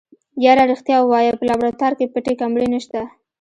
يره رښتيا ووايه په لابراتوار کې پټې کمرې نشته.